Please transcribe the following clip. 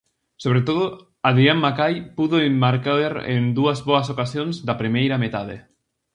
Sobre todo, Adrián Makai puido marcar en dúas boas ocasións da primeira metade.